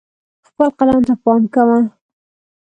خپل قلم ته پام کوه.